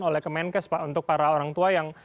oleh kmk untuk para orang tua yang